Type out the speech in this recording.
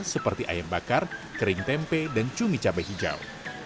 seperti ayam bakar kering tempe dan cumi cabai hijau